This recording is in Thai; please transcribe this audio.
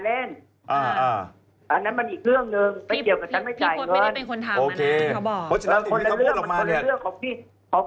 เอ้าโอเคพี่พอร์ต